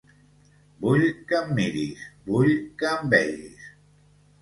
Vull que em miris, vull que em vegis.